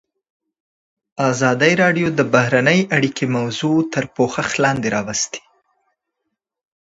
ازادي راډیو د بهرنۍ اړیکې موضوع تر پوښښ لاندې راوستې.